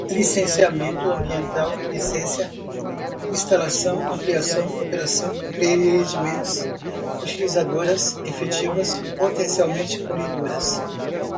licenciamento ambiental, licencia, instalação, ampliação, operação, empreendimentos, utilizadoras, efetivas, potencialmente, poluidoras